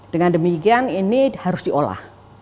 dengan demikian ini harus diolah